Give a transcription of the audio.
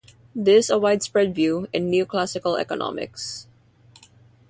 This is a widespread view in neoclassical economics.